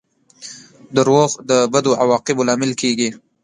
• دروغ د بدو عواقبو لامل کیږي.